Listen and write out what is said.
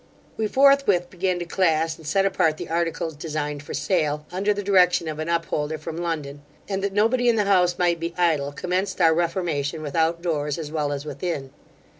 We forthwith began to class and set apart the articles designed for sale, under the direction of an upholder from London; and, that nobody in the house might be idle, commenced our reformation without doors, as well as within.